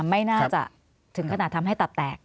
ไม่น่าจะถึงขนาดทำให้ตับแตก